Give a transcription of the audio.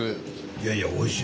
いやいやおいしい。